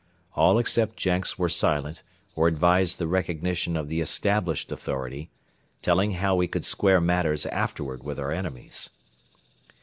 All except Jenks were silent or advised the recognition of the established authority, telling how we could square matters afterward with our enemies.